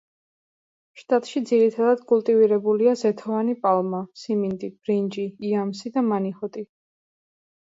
შტატში ძირითადად კულტივირებულია ზეთოვანი პალმა, სიმინდი, ბრინჯი, იამსი და მანიჰოტი.